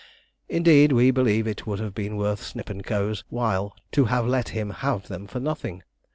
Indeed, we believe it would have been worth Snip and Co.'s while to have let him have them for nothing.